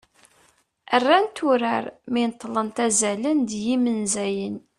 rrant urar mi neṭṭlent "azalen d yimenzayen"